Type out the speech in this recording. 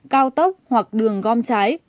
cao tốc hoặc đường gom trái